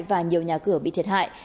và nhiều nhà cửa bị thiệt hại